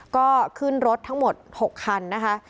ก็ขึ้นรถทั้งหมด๖คันนะคะ